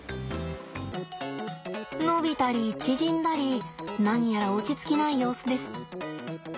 伸びたり縮んだり何やら落ち着きない様子です。